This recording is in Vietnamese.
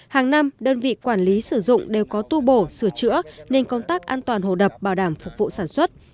hàng năm đơn vị quản lý sử dụng đều có tu bổ sửa chữa nên công tác an toàn hồ đập bảo đảm phục vụ sản xuất